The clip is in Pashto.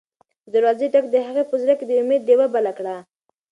د دروازې ټک د هغې په زړه کې د امید ډېوه بله کړه.